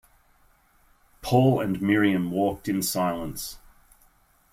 Paul and Miriam walked in silence.